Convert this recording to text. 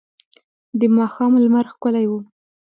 د ماښام لمر ښکلی و.